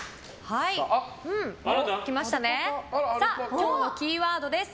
今日のキーワードです。